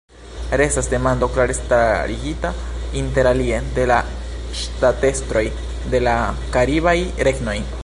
Restas demando klare starigita, interalie, de la ŝtatestroj de la karibaj regnoj.